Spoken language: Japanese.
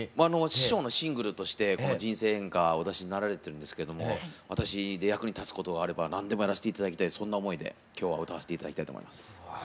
師匠のシングルとしてこの「人生援歌」お出しになられてるんですけども私で役に立つことがあれば何でもやらせていただきたいそんな思いで今日は歌わせていただきたいと思います。